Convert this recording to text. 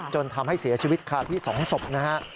จนทำให้เสียชีวิตคาที่๒ศพนะฮะ